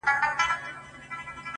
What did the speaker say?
• هغه مړ سو اوس يې ښخ كړلو؛